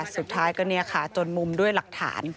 สุดท้ายก็เนี่ยค่ะจนมุมด้วยหลักฐาน